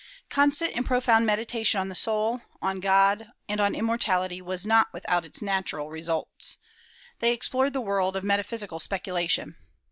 Constant and profound meditation on the soul, on God, and on immortality was not without its natural results. They explored the world of metaphysical speculation.